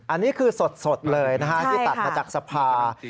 อันนี้คือสดเลยนะฮะที่ตัดมาจากสภา